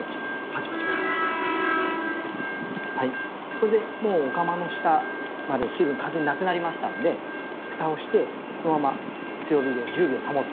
これでもうお釜の下まで水分完全になくなりましたので蓋をしてこのまま強火で１０秒保ってください。